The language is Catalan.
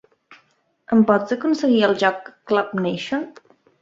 Hem pots aconseguir el joc Club Nation?